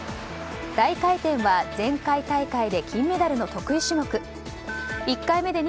大回転は前回大会で金メダルの得意種目。